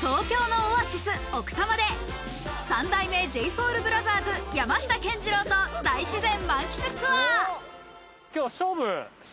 東京のオアシス・奥多摩で三代目ＪＳＯＵＬＢＲＯＴＨＥＲＳ・山下健二郎と大自然満喫ツアー。